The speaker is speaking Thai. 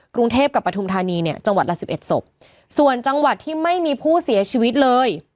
กรุงเทพกับปฐุมธานีเนี่ยจังหวัดละสิบเอ็ดศพส่วนจังหวัดที่ไม่มีผู้เสียชีวิตเลย